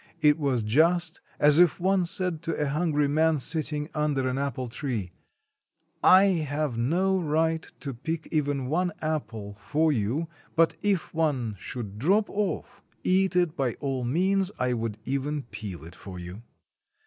It was just as if one said to a hungry man sitting under an apple tree: "I have no right to pick even one apple for you, but if one should drop off, eat it by all means; I would even peel it for you."